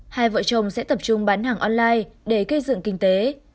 hai vợ chồng sẽ tập trung bán hàng online để cây dựng kinh tế